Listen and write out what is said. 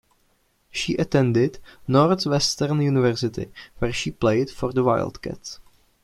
She attended Northwestern University, where she played for the Wildcats.